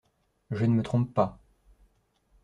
Je ne me trompe pas…